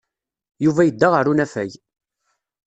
Yuba yedda ɣer unafag.